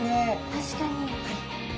確かに。